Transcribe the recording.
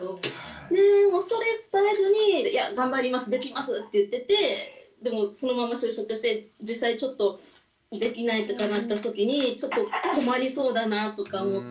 それ伝えずに「いや頑張りますできます」って言っててでもそのまま就職して実際ちょっとできないとかなったときにちょっと困りそうだなとか思って。